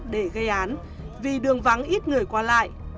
điện thoại gây án vì đường vắng ít người qua lại